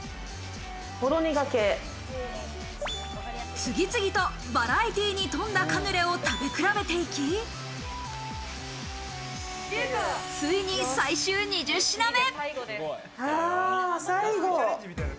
次々とバラエティーに富んだカヌレを食べていき、ついに最終２０品目。